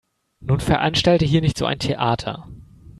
Nun veranstalte hier nicht so ein Theater.